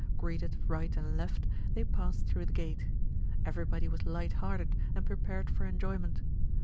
Greeted right and left, they passed through the gate. Everybody was light hearted and prepared for enjoy ment.